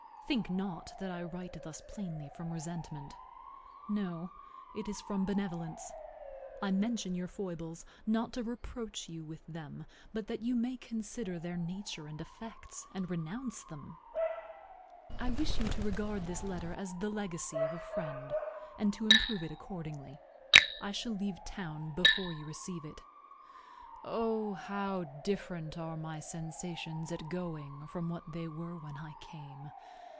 Think not that I write thus plainly from resentment. No, it is from benevolence. I mention your foibles, not to reproach you with them, but that you may consider their nature and effects, and renounce them. I wish you to regard this letter as the legacy of a friend, and to improve it accordingly. I shall leave town before you receive it. O, how different are my sensations at going from what they were when I came!